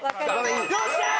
よっしゃー！